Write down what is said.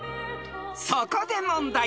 ［そこで問題］